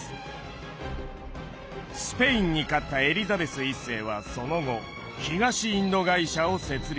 スペインに勝ったエリザベス１世はその後東インド会社を設立。